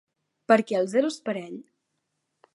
Per què el zero és parell?